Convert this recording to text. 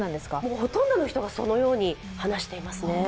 ほとんどの人がそのように話していますね。